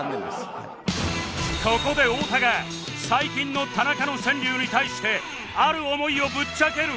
ここで太田が最近の田中の川柳に対してある思いをぶっちゃける